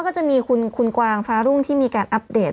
ก็จะมีคุณกวางฟ้ารุ่งที่มีการอัปเดต